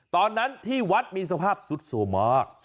ตอนนั้นที่วัดมีสภาพสุดโสมมาก